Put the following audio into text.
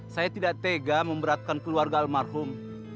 saya tidak tega memberatkan keluarga almarhum